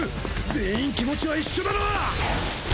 全員気持ちは一緒だろ！